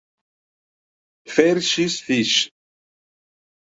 Far Seas Fish.